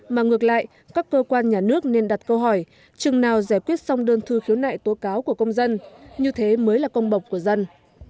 mà ngược lại các cơ quan nhà nước nên đặt câu hỏi chừng nào giải quyết xong đơn thư khiếu nại tố cáo của công dân như thế mới là công bộc của dân